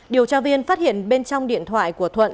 điều tra viên phát hiện bên trong điện thoại của thuận